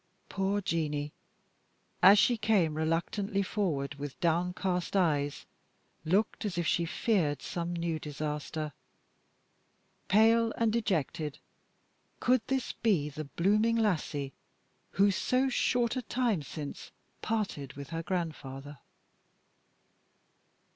Poor Jeanie, as she came reluctantly forward with downcast eyes, looked as if she feared some new disaster. Pale and dejected, could this be the blooming lassie who so short a time since parted with her grandfather?